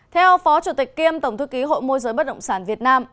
theo phó chủ tịch kiêm tổng thư ký hội môi giới bất động sản việt nam